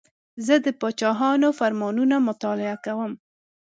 زه د پاچاهانو فرمانونه مطالعه کوم.